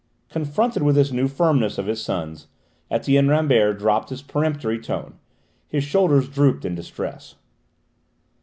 Confronted with this new firmness of his son's, Etienne Rambert dropped his peremptory tone; his shoulders drooped in distress.